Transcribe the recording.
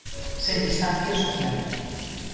Sen distancia social.